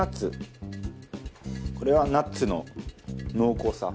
これはナッツの濃厚さ。